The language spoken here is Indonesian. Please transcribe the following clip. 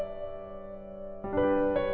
terima kasih yoko